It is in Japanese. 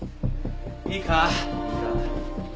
いいか？